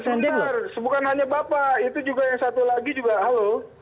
sebentar bukan hanya bapak itu juga yang satu lagi juga halo